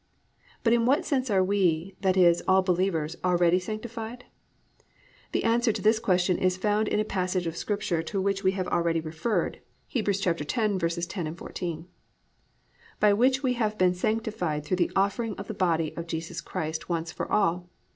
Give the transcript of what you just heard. But in what sense are we, that is, all believers, already sanctified? The answer to this question is found in a passage of Scripture to which we have already referred, Heb. 10:10, 14, +"By which will we have been sanctified through the offering of the body of Jesus Christ once for all.